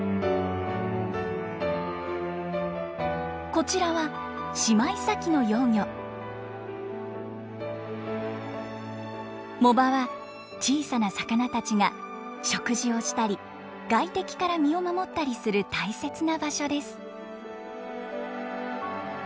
こちらは藻場は小さな魚たちが食事をしたり外敵から身を守ったりする大切な場所です。